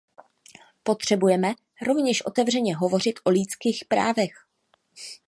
Potřebujeme rovněž otevřeně hovořit o lidských právech.